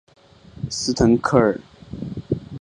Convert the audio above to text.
斯滕克尔。